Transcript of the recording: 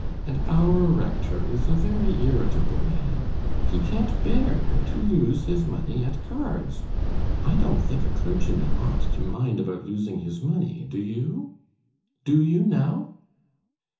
And our rector is a very irritable man; he can't bear to lose his money at cards. I don't think a clergyman ought to mind about losing his money; do you? do you now?